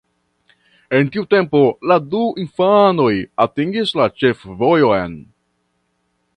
En tiu tempo la du infanoj atingis la ĉefvojon.